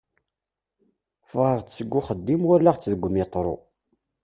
Ffɣeɣ-d seg uxeddim walaɣ-tt deg umitṛu.